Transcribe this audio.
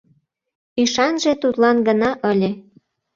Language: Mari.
Ӱшанже тудлан гына ыле.